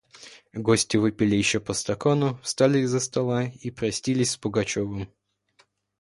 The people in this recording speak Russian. Гости выпили еще по стакану, встали из-за стола и простились с Пугачевым.